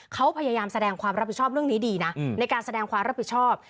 เขาพยายามแสดงความรับผิดชอบเรื่องนี้ดีนะในการแสดงความรับผิดชอบ